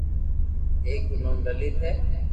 ايڪ رو نوم لليت ھي